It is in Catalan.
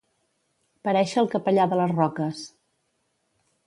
Parèixer el capellà de les roques.